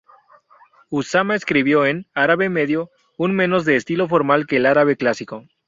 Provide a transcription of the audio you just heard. Usama escribió en "árabe medio", un menos estilo formal que el árabe clásico.